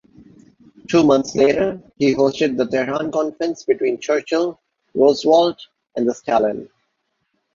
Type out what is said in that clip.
Two months later, he hosted the Tehran Conference between Churchill, Roosevelt, and Stalin.